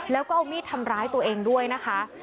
แล้วก็เอามีดทำร้ายตัวเองด้วยนะคะ